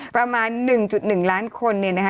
ประมาณ๑๑ล้านคนเนี่ยนะคะ